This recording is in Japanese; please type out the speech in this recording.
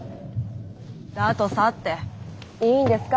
「だとさ」っていいんですか？